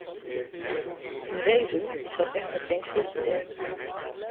In wezen is dat echter geen slecht idee.